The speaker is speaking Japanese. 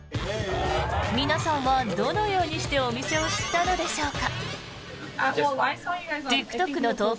皆さんはどのようにしてお店を知ったのでしょうか。